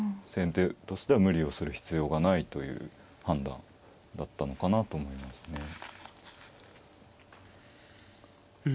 先手としては無理をする必要がないという判断だったのかなと思いますね。